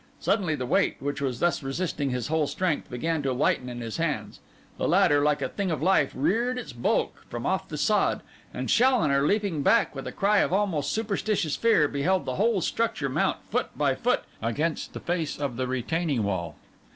Suddenly the weight, which was thus resisting his whole strength, began to lighten in his hands; the ladder, like a thing of life, reared its bulk from off the sod; and Challoner, leaping back with a cry of almost superstitious terror, beheld the whole structure mount, foot by foot, against the face of the retaining wall.